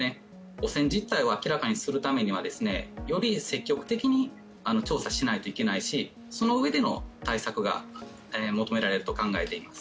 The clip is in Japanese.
汚染実態を明らかにするためにはより積極的に調査しないといけないしその上での対策が求められていると考えています。